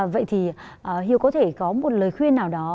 vậy thì hiếu có thể có một lời khuyên nào đó